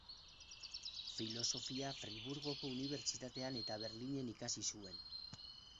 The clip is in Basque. Filosofia Friburgoko Unibertsitatean eta Berlinen ikasi zuen.